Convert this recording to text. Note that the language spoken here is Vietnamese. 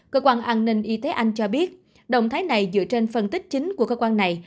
cơ quan an ninh y tế anh cho biết động thái này dựa trên phân tích chính của cơ quan này